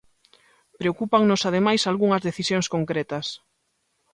Preocúpannos ademais algunhas decisións concretas.